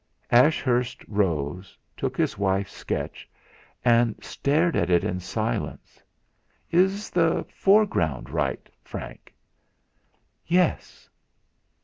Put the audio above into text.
Ashurst rose, took his wife's sketch, and stared at it in silence. "Is the foreground right, Frank?" "Yes."